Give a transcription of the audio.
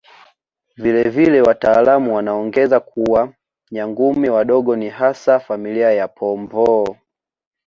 Vile vile wataalamu wanaongeza kuwa Nyangumi wadogo ni hasa familia ya Pomboo